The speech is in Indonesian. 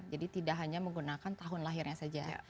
jadi tidak hanya menggunakan tahun lahirnya saja